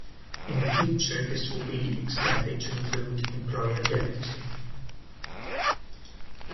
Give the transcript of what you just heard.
In the future this will be extended to include employability.